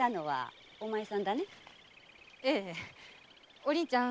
ええお凛ちゃん